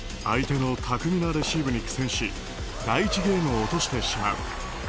相手の巧みなレシーブに苦戦し第１ゲームを落としてしまう。